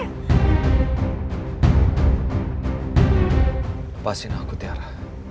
lepasin aku tiara